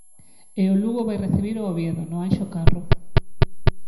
E o Lugo vai recibir o Oviedo no Anxo Carro.